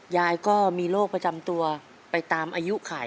ยายก็มีโรคประจำตัวไปตามอายุไข